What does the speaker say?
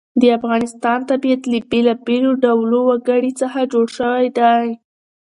د افغانستان طبیعت له بېلابېلو ډولو وګړي څخه جوړ شوی دی.